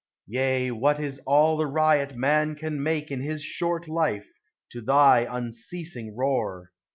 Yea, what is all the riot man can make In his short life, to thy unceasing roar?